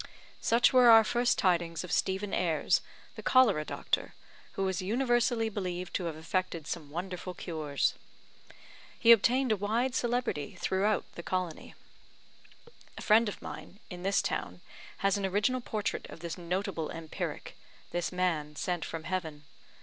Such were our first tidings of Stephen Ayres, the cholera doctor, who is universally believed to have effected some wonderful cures. He obtained a wide celebrity throughout the colony. A friend of mine, in this town, has an original portrait of this notable empiric this man sent from heaven.